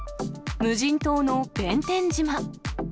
無人島の弁天島。